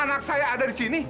anak saya ada di sini